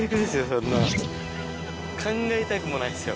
そんなん考えたくもないですよ。